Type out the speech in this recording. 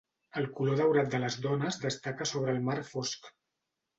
El color daurat de les dones destaca sobre el mar fosc.